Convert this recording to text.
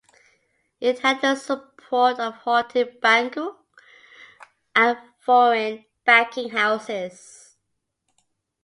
It had the support of the "haute banque" and foreign banking houses.